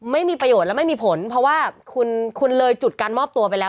ไม่มีประโยชน์และไม่มีผลเพราะว่าคุณเลยจุดการมอบตัวไปแล้ว